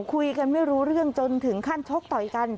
คุยกันไม่รู้เรื่องจนถึงขั้นชกต่อยกัน